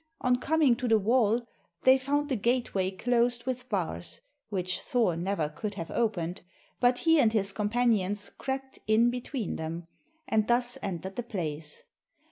On coming to the wall, they found the gate way closed with bars, which Thor never could have opened, but he and his companions crept in between them, and thus entered the place.